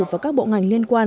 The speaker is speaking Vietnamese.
và các bộ ngành liên quan